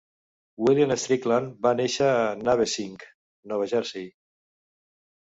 William Strickland va néixer a Navesink, Nova Jersey.